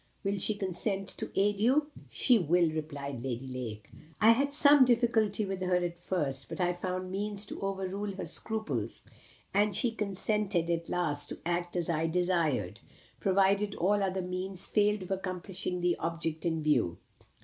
Will she consent to aid you?" "She will," replied Lady Lake. "I had some difficulty with her at first, but I found means to overrule her scruples, and she consented at last to act as I desired, provided all other means failed of accomplishing the object in view.